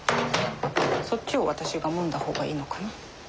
そっちを私がもんだ方がいいのかな？